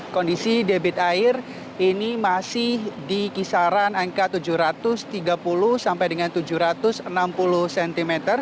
kondisi debit air ini masih di kisaran angka tujuh ratus tiga puluh sampai dengan tujuh ratus enam puluh cm